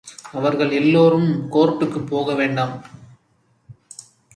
அவர்கள் எல்லாரும் —கோர்ட்டுக்குப் போகவேண்டாம்.